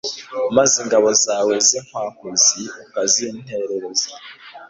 maze ingabo zawe z'inkwakuzi ukazinterereza